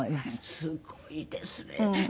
すごいですね。